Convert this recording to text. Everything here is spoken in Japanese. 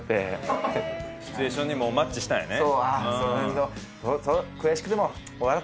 シチュエーションにマッチしたんやね。